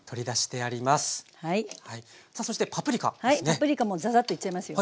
パプリカもザザッといっちゃいますよ。